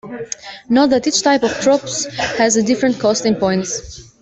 Note that each type of troops has a different cost in points.